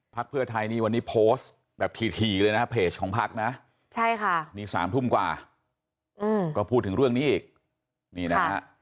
พรรคเพื่อไทยวันนี้โพสต์แบบที่เลยนะเพจของพรรคนะนี่๓ทุ่มกว่าก็พูดถึงเรื่องนี้อีก